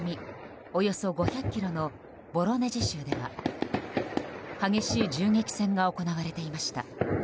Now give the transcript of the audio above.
およそ５００ｋｍのボロネジ州では激しい銃撃戦が行われていました。